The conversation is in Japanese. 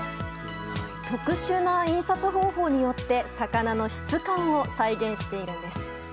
特殊な印刷方法によって魚の質感を再現しているんです。